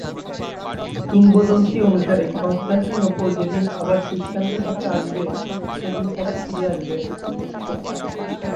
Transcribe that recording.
কিংবদন্তি অনুসারে, কনস্টান্টিনোপল যেদিন আবার খ্রিষ্টানদের হাতে আসবে সেদিন তারা ফিরে আসবেন।